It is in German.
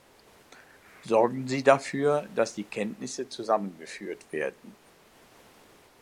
Sorgen Sie dafür, dass die Kenntnisse zusammengeführt werden.